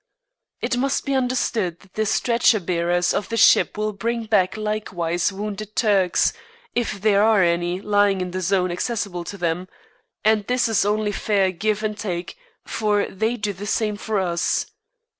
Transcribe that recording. It must be understood that the stretcher bearers of the ship will bring back likewise wounded Turks, if there are any lying in the zone accessible to them; and this is only fair give and take, for they do the same for us.